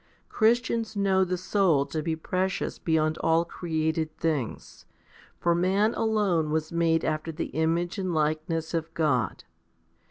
Christians know the soul to be precious beyond all created things ; for man alone was made after the image and like ness of God.